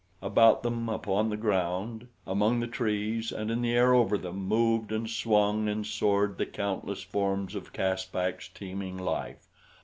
About them upon the ground, among the trees and in the air over them moved and swung and soared the countless forms of Caspak's teeming life.